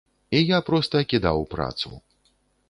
І я проста кідаў працу.